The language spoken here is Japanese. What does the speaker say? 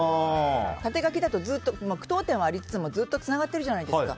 縦書きだとずっと句読点はありつつもつながっているじゃないですか。